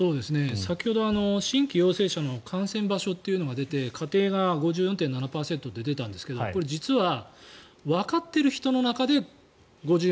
先ほど新規陽性者の感染場所というのが出て家庭が５４．７％と出たんですが実はわかっている人の中で５４．７％。